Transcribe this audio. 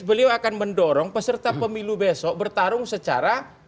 beliau akan mendorong peserta pemilu besok bertarung secara